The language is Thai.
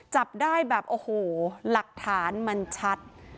จับได้แบบโอ้โหหลักฐานมันชัด